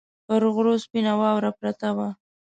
پر غرو سپینه واوره پرته وه